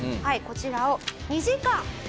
こちらを２時間。